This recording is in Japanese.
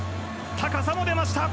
高さも出ました。